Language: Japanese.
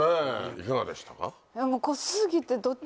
いかがでしたか？